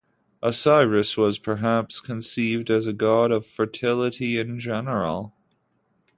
Osiris was perhaps conceived as a god of fertility in general.